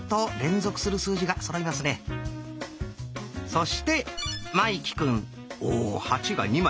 そして茉生くんお「８」が２枚。